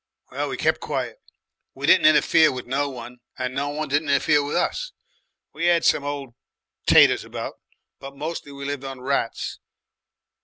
Well, we kep' quiet. We didn't interfere with no one and no one didn't interfere with us. We 'ad some old 'tatoes about, but mocely we lived on rats.